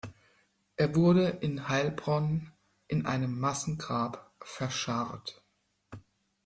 Er wurde in Heilbronn in einem Massengrab verscharrt.